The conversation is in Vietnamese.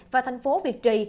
và thành phố việt trì